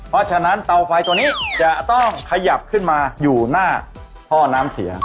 เพราะฉะนั้นเตาไฟตัวนี้จะต้องขยับขึ้นมาอยู่หน้าท่อน้ำเสีย